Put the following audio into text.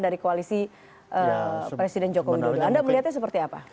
dari koalisi presiden joko widodo anda melihatnya seperti apa